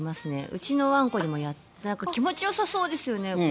うちのわんこでも気持ちよさそうですよね。